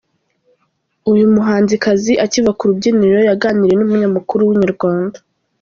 Uyu muhanzikazi akiva ku rubyiniro yaganiriye n’umunyamakuru wa Inyarwanda.